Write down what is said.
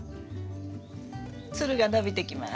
つるが伸びてきます。